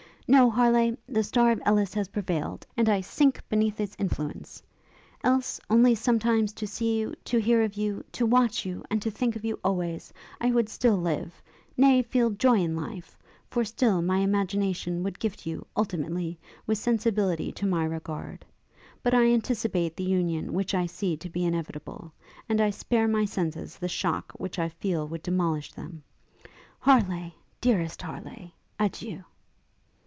No, Harleigh! the star of Ellis has prevailed, and I sink beneath its influence. Else, only sometimes to see you, to hear of you, to watch you, and to think of you always, I would still live, nay, feel joy in life; for still my imagination would gift you, ultimately, with sensibility to my regard. But I anticipate the union which I see to be inevitable, and I spare my senses the shock which I feel would demolish them. Harleigh! dearest Harleigh, Adieu!'